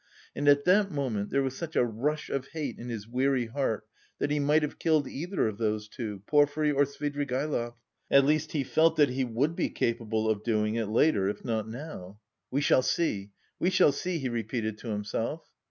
And at that moment there was such a rush of hate in his weary heart that he might have killed either of those two Porfiry or Svidrigaïlov. At least he felt that he would be capable of doing it later, if not now. "We shall see, we shall see," he repeated to himself.